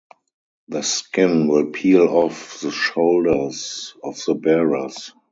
The skin will peel off the shoulders of the bearers.